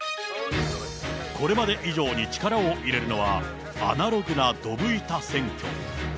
これまで以上に力を入れるのは、アナログなどぶ板選挙。